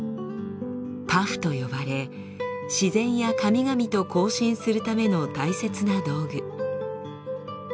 「パフ」と呼ばれ自然や神々と交信するための大切な道具。